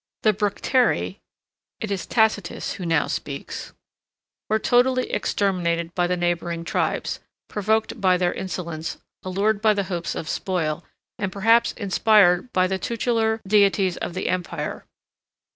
] "The Bructeri 771 (it is Tacitus who now speaks) were totally exterminated by the neighboring tribes, 78 provoked by their insolence, allured by the hopes of spoil, and perhaps inspired by the tutelar deities of the empire.